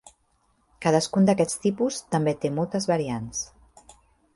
Cadascun d'aquests tipus també té moltes variants.